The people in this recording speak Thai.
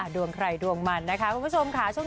ดวงใครดวงมันนะคะคุณผู้ชมค่ะ